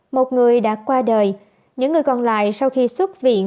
một người đã qua đời những người còn lại sau khi xuất viện